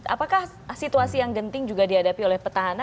apakah situasi yang genting juga dihadapi oleh petahana